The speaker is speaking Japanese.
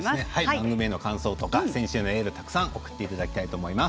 番組への感想とか選手へのエールとかたくさん送っていただきたいと思います。